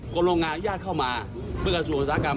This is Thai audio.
โรงงานอนุญาตเข้ามาเพื่อกระทรวงอุตสาหกรรม